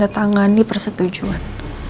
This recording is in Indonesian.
tanda tangani persetujuan